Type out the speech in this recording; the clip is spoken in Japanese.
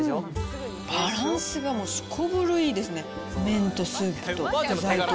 バランスがすこぶるいいですね、麺とスープと具材と。